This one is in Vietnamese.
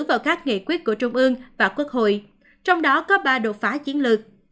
vào các nghị quyết của trung ương và quốc hội trong đó có ba đột phá chiến lược